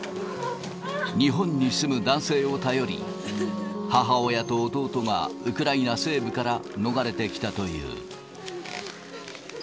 日本に住む男性を頼り、母親と弟がウクライナ西部から逃れてきたという。